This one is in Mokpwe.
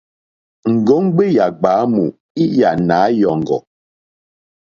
Ŋgombe yà gbàamù lyà Nàanyòŋgò.